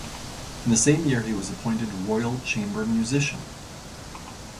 In the same year he was appointed Royal chamber musician.